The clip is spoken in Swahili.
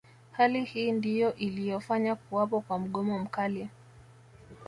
Hali hii ndiyo iliyofanya kuwapo kwa mgomo mkali